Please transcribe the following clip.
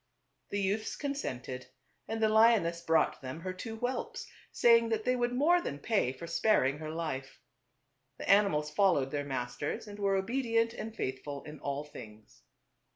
The youths con sented, and the lioness brought them her two ^ whelps, saying that ^ e they would more than pay for sparing her life. The animals followed their mas ters, and were obe dient and faithful in all things.